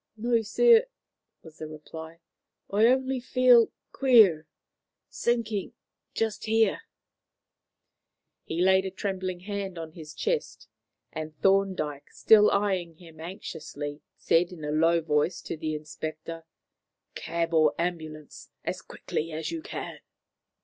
"No, sir," was the reply; "only I feel queer sinking just here." He laid a trembling hand on his chest, and Thorndyke, still eyeing him anxiously, said in a low voice to the inspector: "Cab or ambulance, as quickly as you can."